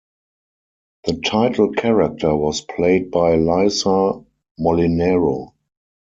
The title character was played by Lisa Molinaro.